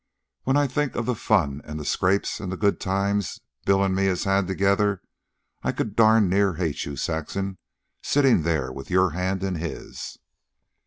When I think of the fun, an' scrapes, an' good times Bill an' me has had together, I could darn near hate you, Saxon, sittin' there with your hand in his."